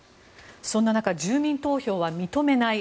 そんな中住民投票は認めない。